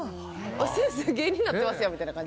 先生芸人になってますやんみたいな。